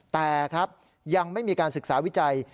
แต่ครับยังไม่มีการศึกษาวิจัย